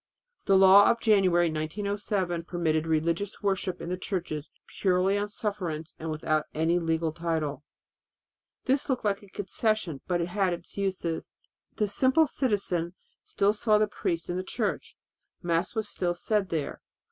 The law of January 1907 permitted religious worship in the churches purely on sufferance and without any legal title. This looked like a concession, but it had its uses. The simple citizen still saw the priest in the church; Mass was still said there.